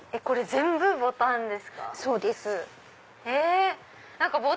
これ全部ボタンですか？